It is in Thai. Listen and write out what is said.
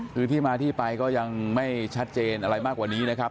คือที่มาที่ไปก็ยังไม่ชัดเจนอะไรมากกว่านี้นะครับ